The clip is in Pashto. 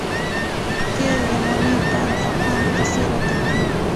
د تېرې زمانې پند او خوند کیسې راته کوي.